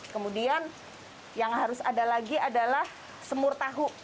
kemudian yang harus ada lagi adalah semur tahu